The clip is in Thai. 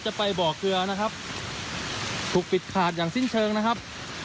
ไปบ่อเกลือนะครับถูกปิดขาดอย่างสิ้นเชิงนะครับ